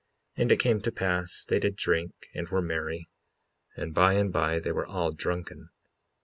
55:14 And it came to pass they did drink and were merry, and by and by they were all drunken.